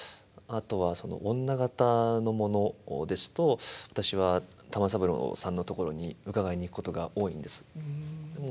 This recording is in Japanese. あとは女形のものですと私は玉三郎さんのところに伺いに行くことが多いんです。